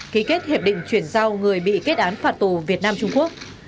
ký kết hiệp định chuyển giao người bị kết án phạt tù việt nam trung quốc